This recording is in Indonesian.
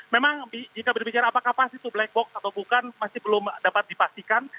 memang jika berbicara apakah pasti itu black box atau bukan masih belum dapat dipastikan